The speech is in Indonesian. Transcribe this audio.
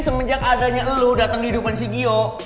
semenjak adanya lo datang di hidupan si gio